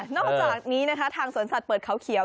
อกจากนี้นะคะทางสวนสัตว์เปิดเขาเขียว